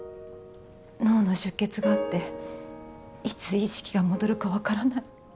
脳の出血があっていつ意識が戻るかわからない。